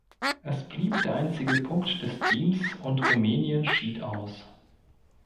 Es blieb der einzige Punkt des Teams und Rumänien schied aus.